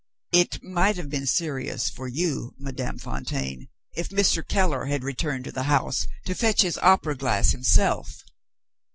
"It might have been serious for you, Madame Fontaine, if Mr. Keller had returned to the house to fetch his opera glass himself."